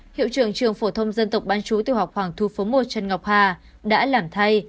hiệu trưởng trường phổ thông dân tộc bán chú tiểu học hoàng thu phố một trần ngọc hà đã làm thay